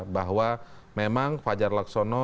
bahwa memang fajar laksono